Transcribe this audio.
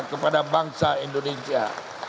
kepada bangsa indonesia